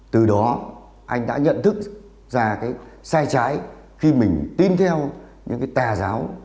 từ đó anh đã nhận thức ra cái sai trái khi mình tin theo những cái tà giáo